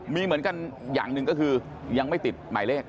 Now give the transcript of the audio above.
มีเหมือนกันอย่างหนึ่งก็คือยังไม่ติดหมายเลข